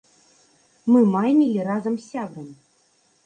Мы майнілі разам з сябрам.